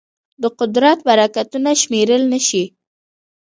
د قدرت برکتونه شمېرل نهشي.